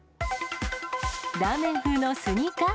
ラーメン風のスニーカー？